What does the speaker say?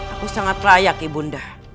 aku sangat layak ibu nda